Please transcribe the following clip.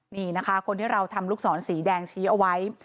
นี่นะคะคนที่เราทำลูกศรสีแดงชี้เอาไว้